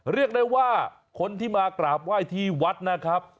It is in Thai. เรียกได้ว่าคนที่มากราบไหว้ที่วัดนะครับ